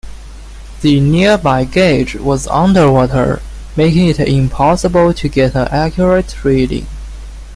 The nearby gauge was underwater, making it impossible to get an accurate reading.